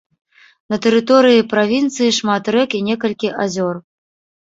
На тэрыторыі правінцыі шмат рэк і некалькі азёр.